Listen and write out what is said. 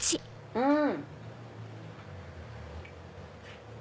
うん！